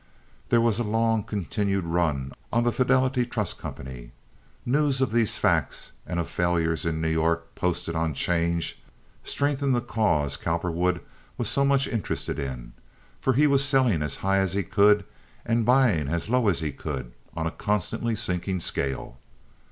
There was a long continued run on the Fidelity Trust Company. News of these facts, and of failures in New York posted on 'change, strengthened the cause Cowperwood was so much interested in; for he was selling as high as he could and buying as low as he could on a constantly sinking scale.